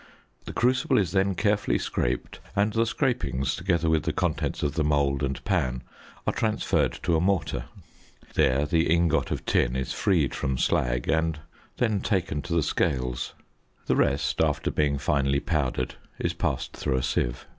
The crucible is then carefully scraped, and the scrapings, together with the contents of the mould and pan, are transferred to a mortar. There the ingot of tin is freed from slag and then taken to the scales. The rest, after being finely powdered, is passed through a sieve.